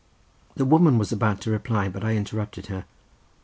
'" The woman was about to reply, but I interrupted her.